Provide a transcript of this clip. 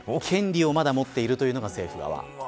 権利をまだ持ってるというのが政府側。